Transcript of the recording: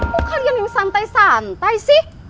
kok kalian yang santai santai sih